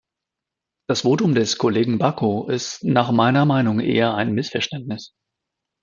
Das Votum des Kollegen Baco ist nach meiner Meinung eher ein Missverständnis.